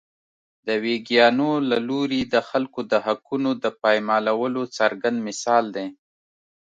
د ویګیانو له لوري د خلکو د حقونو د پایمالولو څرګند مثال دی.